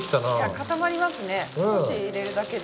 固まりますね少し入れるだけで。